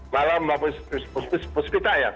malam mbak puspa ya